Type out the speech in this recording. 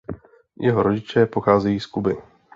Jeho rodiče pocházejí z Kuby.